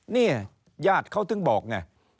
เนี่ยญาติเขาถึงบอกไง